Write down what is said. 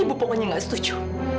ibu pokoknya gak setuju